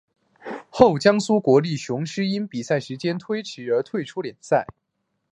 后江苏国立雄狮因比赛时间推迟退出联赛。